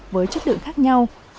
với chất lượng khác nhau